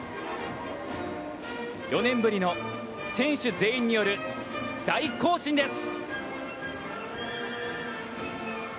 ４年ぶりの選手全員による大行進です。